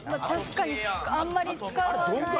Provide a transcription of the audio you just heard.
確かにあんまり使わない。